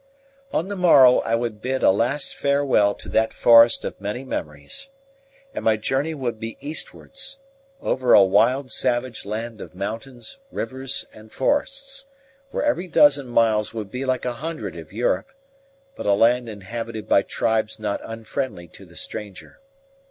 On the morrow I would bid a last farewell to that forest of many memories. And my journey would be eastwards, over a wild savage land of mountains, rivers, and forests, where every dozen miles would be like a hundred of Europe; but a land inhabited by tribes not unfriendly to the stranger.